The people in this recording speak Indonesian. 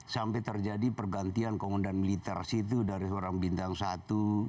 sampai terjadi pergantian komundan militer situ dari seorang bintang satu